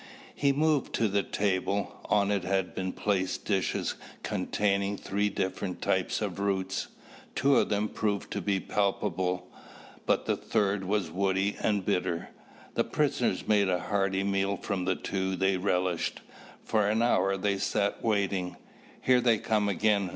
He moved to the table. On it had been placed dishes containing three different types of roots. Two of them proved to be palatable, but the third was woody and bitter. The prisoners made a hearty meal from the two they relished. For an hour they sat waiting. "Here they come again!"